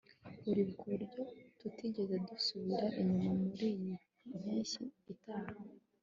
uribuka uburyo tutigeze dusubira inyuma muriyi mpeshyi itaha